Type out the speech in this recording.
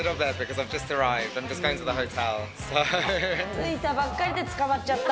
着いたばっかりで捕まっちゃった。